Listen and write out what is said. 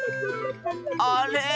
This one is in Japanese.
あれ？